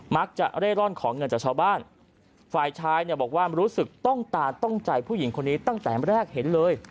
เร่ร่อนของเงินจากชาวบ้านฝ่ายชายเนี่ยบอกว่ารู้สึกต้องตาต้องใจผู้หญิงคนนี้ตั้งแต่แรกเห็นเลย